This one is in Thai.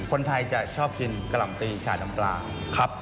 คนไทยจะชอบกินกะหล่ำตีฉาดำปลาครับ